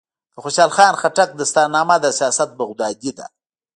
د خوشحال خان خټک دستارنامه د سیاست بغدادي ده.